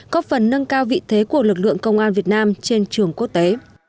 có phần nâng cao vị thế của lực lượng công an việt nam trên trường quốc tế